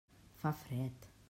Fa fred.